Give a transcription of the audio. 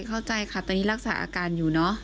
เข้าใจค่ะตอนนี้รักษาอาการอยู่เนอะ